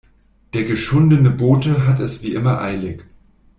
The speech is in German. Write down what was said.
Der geschundene Bote hat es wie immer eilig.